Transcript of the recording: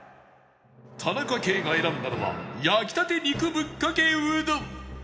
田中圭が選んだのは焼きたて肉ぶっかけうどん